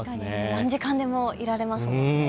何時間でもいられますもんね。